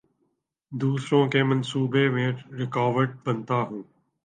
دوسروں کے منصوبوں میں رکاوٹ بنتا ہوں